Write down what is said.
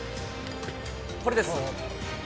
これです。